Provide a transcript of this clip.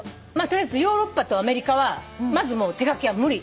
取りあえずヨーロッパとアメリカはまずもう手書きは無理。